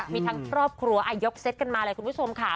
มีทั้งครอบครัวยกเซตกันมาเลยคุณผู้ชมค่ะ